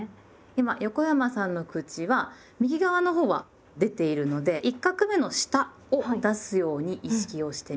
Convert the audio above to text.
今横山さんの口は右側のほうは出ているので１画目の下を出すように意識をしてみて下さい。